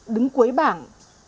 đứng cuối bảng